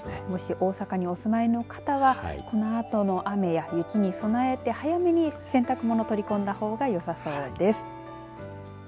もし大阪にお住まいの方はこのあとの雨や雪に備えて早めに洗濯物、取り込んだほうがよさそうです。